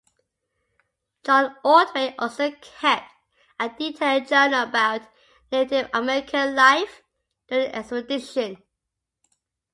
John Ordway also kept a detailed journal about Native American life during the expedition.